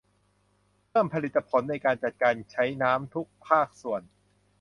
เพิ่มผลิตผลในการจัดการการใช้น้ำทุกภาคส่วน